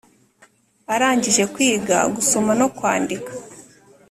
arangije kwiga gusoma no kwandika